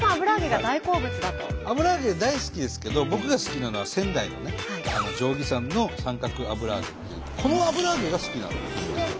油揚げ大好きですけど僕が好きなのは仙台のね定義山の三角油揚げっていうこの油揚げが好きなんですよ。